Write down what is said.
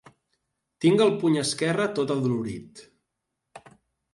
Tinc el puny esquerre tot adolorit.